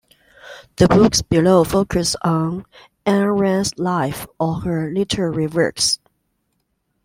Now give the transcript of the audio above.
The books below focus on Ayn Rand's life or her literary works.